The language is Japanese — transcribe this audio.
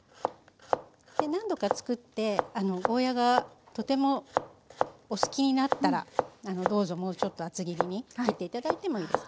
何度か作ってゴーヤーがとてもお好きになったらどうぞもうちょっと厚切りに切っていただいてもいいです。